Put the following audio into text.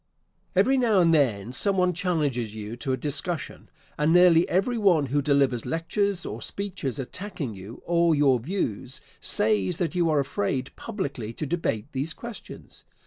Every now and then some one challenges you to a discussion, and nearly every one who delivers lectures, or speeches, attacking you, or your views, says that you are afraid publicly to debate these questions.